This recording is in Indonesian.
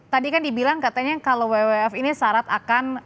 tadi kan dibilang katanya kalau wwf ini syarat akan